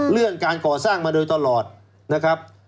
เรื่องการก่อสร้างมาโดยตลอดนะครับ